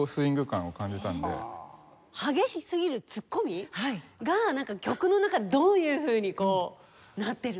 激しすぎるツッコミがなんか曲の中でどういうふうになってるのか。